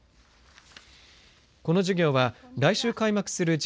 この授業は来週開幕するＧ